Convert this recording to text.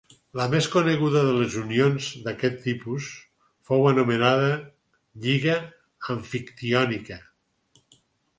La més coneguda de les unions d'aquest tipus fou l'anomenada Lliga Amfictiònica.